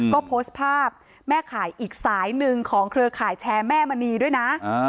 ก็โพสต์ภาพแม่ขายอีกสายหนึ่งของเครือข่ายแชร์แม่มณีด้วยนะ